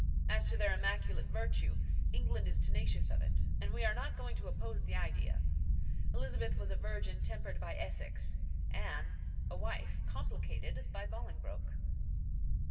As to their immaculate virtue, England is tenacious of it, and we are not going to oppose the idea. Elizabeth was a virgin tempered by Essex; Anne, a wife complicated by Bolingbroke.